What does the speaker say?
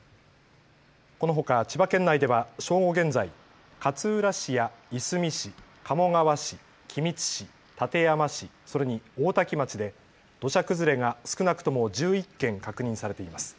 このほか千葉県内では正午現在、勝浦市やいすみ市、鴨川市、君津市、館山市、それに大多喜町で土砂崩れが少なくとも１１件確認されています。